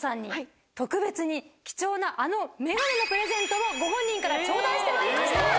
貴重なあのメガネのプレゼントをご本人から頂戴してまいりました。